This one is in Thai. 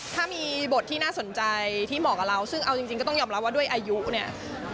ถ้ามีบทที่น่าสนใจที่เหมาะกับเราซึ่งเอาจริงก็ต้องยอมรับว่าด้วยอายุเนี่ย